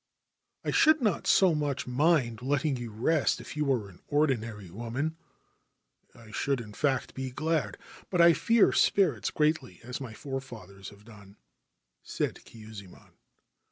' 1 should not so much mind letting you rest if you were an ordinary woman. I should, in fact, be glad ; but I fear spirits greatly, as my forefathers have done,' said Kyuzaemon.